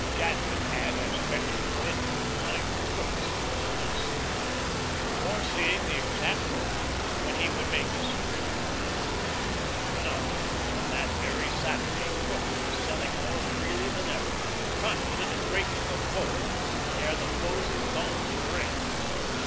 Jadwin had, as Gretry put it, "timed Crookes to a split second," foreseeing the exact moment when he would make his supreme effort. Sure enough, on that very Saturday Crookes was selling more freely than ever, confident of breaking the Bull ere the closing gong should ring.